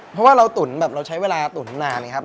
เพราะว่าเราตุ๋นแบบเราใช้เวลาตุ๋นนานไงครับ